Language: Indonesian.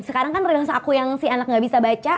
sekarang kan regangsa aku yang si anak gak bisa baca